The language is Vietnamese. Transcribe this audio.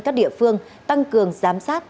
các địa phương tăng cường giám sát